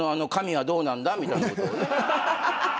みたいなことをね。